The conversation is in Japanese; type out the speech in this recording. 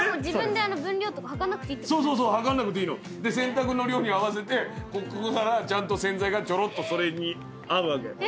そうそうそう量んなくていいの。で洗濯の量に合わせてここからちゃんと洗剤がちょろっとそれに合うわけ。